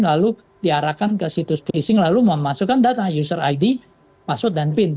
lalu diarahkan ke situs tracing lalu memasukkan data user id password dan pin